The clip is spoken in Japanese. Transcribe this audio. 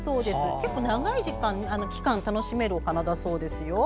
結構長い期間楽しめるお花だそうですよ。